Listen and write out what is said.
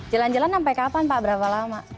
jalan jalan sampai kapan pak berapa lama